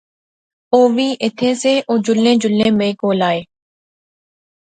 اووی ایتھیں سے، او جلنے جلنے میں کول آئے